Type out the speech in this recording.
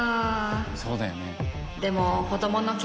そうだよね。